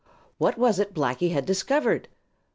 What was it Blacky had discovered?